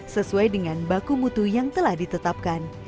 sesuai dengan baku mutu yang telah ditetapkan